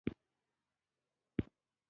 روژه د الله مینه زیاتوي.